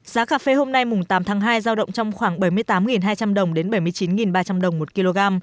giá cà phê hôm nay mùng tám tháng hai giao động trong khoảng bảy mươi tám hai trăm linh đồng đến bảy mươi chín ba trăm linh đồng một kg